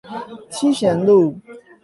七賢路